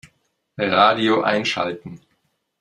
Radio einschalten.